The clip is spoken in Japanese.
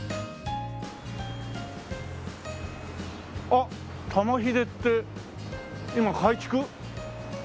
あっ玉ひでって今改築？